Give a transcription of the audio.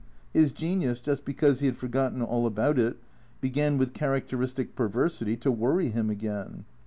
His genius, just because he had forgotten all about it, began with characteristic perversity to worry him again.